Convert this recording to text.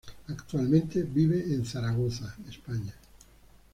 Actualmente vive en Zaragoza, España.